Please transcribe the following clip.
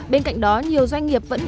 bên cạnh đó nhiều doanh nghiệp vẫn